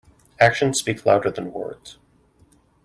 Actions speak louder than words.